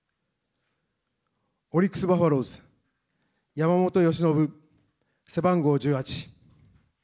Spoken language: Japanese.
オリックスバファローズ、山本由伸、背番号１８。